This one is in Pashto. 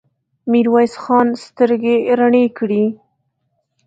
ميرويس خان سترګې رڼې کړې.